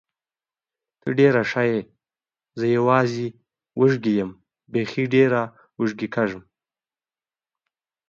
ته ډېره ښه یې، زه یوازې وږې یم، بېخي ډېره وږې کېږم.